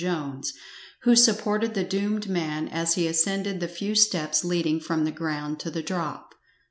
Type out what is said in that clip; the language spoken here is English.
Jones, who supported the doomed man as he ascended the few steps leading from the ground to the drop.